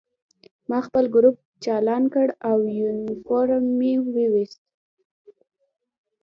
ما خپل ګروپ چالان کړ او یونیفورم مې وویست